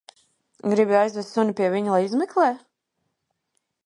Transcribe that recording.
Gribi aizvest suni pie viņa, lai izmeklē?